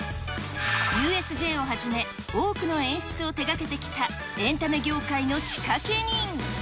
ＵＳＪをはじめ多くの演出を手がけてきた、エンタメ業界の仕掛人。